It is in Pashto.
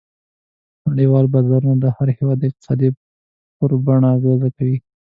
نړیوال بازارونه د هر هېواد د اقتصاد پر بڼه اغېزه کوي.